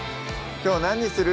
きょう何にする？